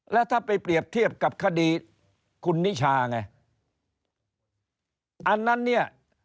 แล้วถ้าไปเปรียบเทียบกับคดีคุณนิชาไงอันนั้นเนี่ย